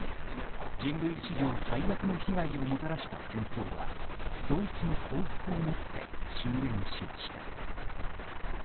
人類史上最悪の被害をもたらした戦争はドイツの降伏をもって終焉しました。